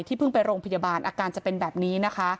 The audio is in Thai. เพิ่งไปโรงพยาบาลอาการจะเป็นแบบนี้นะคะ